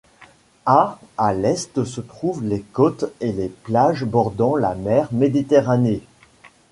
À à l'est se trouvent les côtes et les plages bordant la mer Méditerranée.